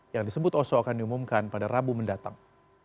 yang disebut oso akan diumumkan pada rabu mendatang